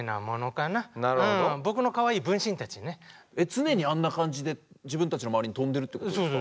常にあんな感じで自分たちの周りに飛んでるってことですか？